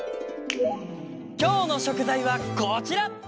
きょうのしょくざいはこちら！